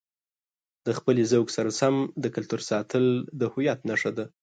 د خپلې ذوق سره سم د کلتور ساتل د هویت نښه ده.